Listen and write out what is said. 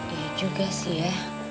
iya juga sih ya